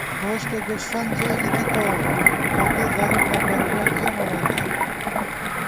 گوشت گوسفند ژئی لِکِتون ، فقیرغریب نہ پرُوزوت اے مونہ اللہ